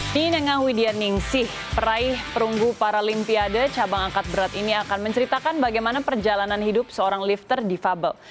di nengah widya ningsih peraih perunggu paralimpiade cabang angkat berat ini akan menceritakan bagaimana perjalanan hidup seorang lifter difabel